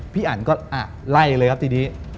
อันก็ไล่เลยครับทีนี้